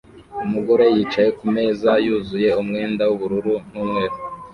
Umugore yicaye kumeza yuzuye umwenda wubururu n'umweru